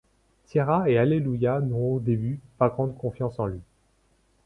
Tieria et Allelujah n'ont au début, pas grande confiance en lui.